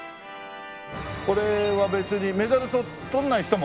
これは別にメダルとらない人も？